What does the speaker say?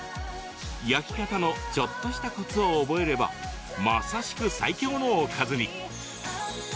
焼き方のちょっとしたコツを覚えればまさしく最強のおかずに。